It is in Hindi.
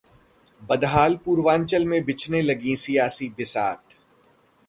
बदहाल पूर्वांचल में बिछने लगी सियासी बिसात